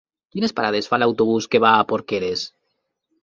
Quines parades fa l'autobús que va a Porqueres?